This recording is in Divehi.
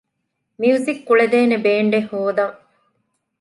މިއުޒިކް ކުޅޭދޭނެ ބޭންޑެއް ހޯދަން